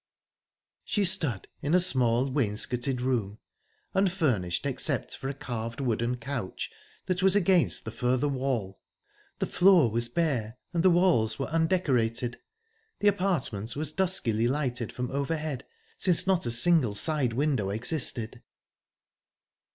She stood in a small, wainscoted room, unfurnished except for a carved wooden couch that was against the further wall. The floor was bare, and the walls were undecorated. The apartment was duskily lighted from overhead, since not a single side window existed.